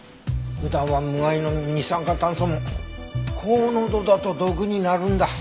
普段は無害の二酸化炭素も高濃度だと毒になるんだ。